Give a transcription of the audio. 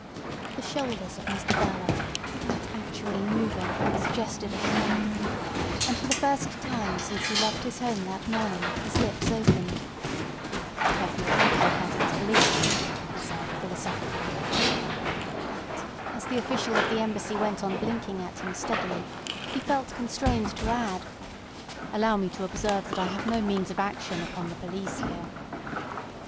The shoulders of Mr Verloc, without actually moving, suggested a shrug. And for the first time since he left his home that morning his lips opened. "Every country has its police," he said philosophically. But as the official of the Embassy went on blinking at him steadily he felt constrained to add: "Allow me to observe that I have no means of action upon the police here."